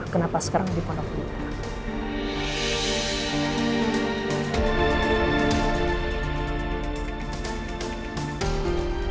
kenapa sekarang di kondok bintang